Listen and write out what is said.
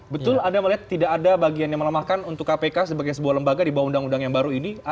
betul anda melihat tidak ada bagian yang melemahkan untuk kpk sebagai sebuah lembaga di bawah undang undang yang baru ini